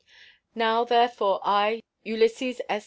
Now, therefore, I, Ulysses S.